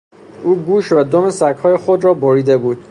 او گوش و دم سگهای خود را بریده بود.